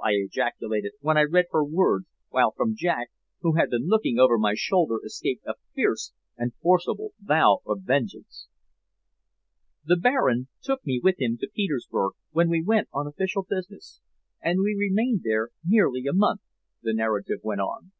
I ejaculated, when I read her words, while from Jack, who had been looking over my shoulder, escaped a fierce and forcible vow of vengeance. "The Baron took me with him to Petersburg when he went on official business, and we remained there nearly a month," the narrative went on.